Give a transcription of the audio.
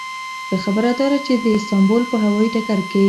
ښه خبره داده چې د استانبول په هوایي ډګر کې.